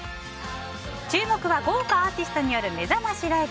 注目は豪華アーティストによるめざましライブ。